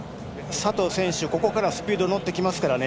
佐藤選手、ここからスピード乗ってきますから。